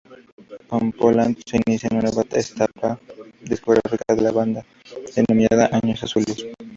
Con "Poland" se inicia una nueva etapa discográfica de la banda denominada "Años Azules".